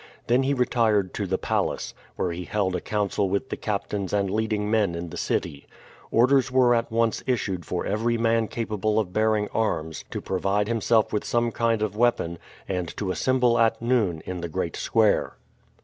Then he retired to the palace, where he held a council with the captains and leading men in the city. Orders were at once issued for every man capable of bearing arms to provide himself with some kind of weapon, and to assemble at noon in the great square.